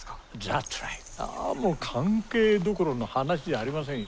あもう関係どころの話じゃありませんよ。